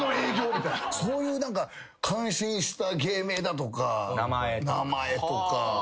そういう何か感心した芸名だとか名前とか。